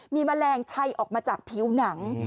มีแมลงชัยออกมาจากผิวหนัง